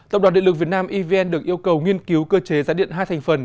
tổng đoàn địa lực việt nam evn được yêu cầu nghiên cứu cơ chế giá điện hai thành phần